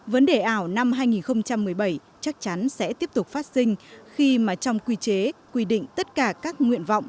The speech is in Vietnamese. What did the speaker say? vấn đề ảo năm hai nghìn một mươi bảy chắc chắn sẽ tiếp tục phát sinh khi mà trong quy chế quy định tất cả các nguyện vọng